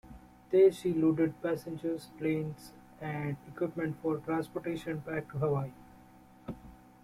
There, she loaded passengers, planes, and equipment for transportation back to Hawaii.